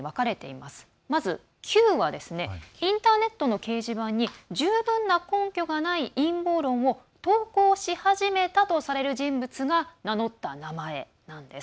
まず、Ｑはインターネットの掲示板に十分な根拠がない陰謀論を投稿し始めたとされる人物が名乗った名前なんです。